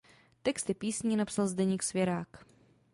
Texty písní napsal Zdeněk Svěrák.